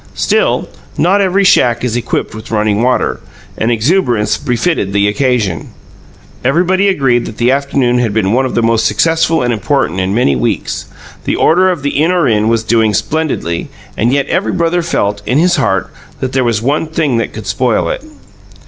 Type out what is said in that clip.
Still, not every shack is equipped with running water, and exuberance befitted the occasion. Everybody agreed that the afternoon had been one of the most successful and important in many weeks. The Order of the In Or In was doing splendidly, and yet every brother felt, in his heart, that there was one thing that could spoil it.